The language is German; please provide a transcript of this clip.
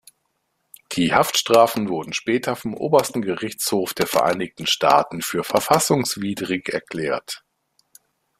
Die Haftstrafen wurden später vom Obersten Gerichtshof der Vereinigten Staaten für verfassungswidrig erklärt.